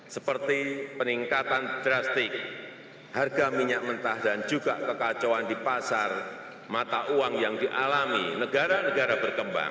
seperti peningkatan drastik harga minyak mentah dan juga kekacauan di pasar mata uang yang dialami negara negara berkembang